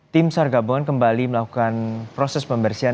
tim sar gabungan kembali melakukan proses pembersihan